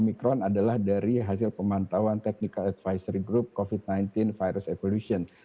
omikron adalah dari hasil pemantauan technical advisory group covid sembilan belas virus evolution